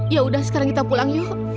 yaudah sekarang kita pulang yuk